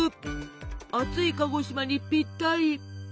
暑い鹿児島にぴったり！